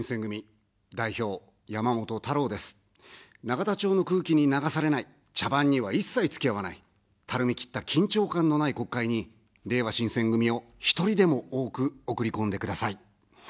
永田町の空気に流されない、茶番には一切つきあわない、たるみ切った緊張感のない国会に、れいわ新選組を１人でも多く送り込んでください。